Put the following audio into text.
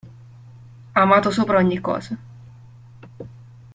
Amato sopra ogni cosa.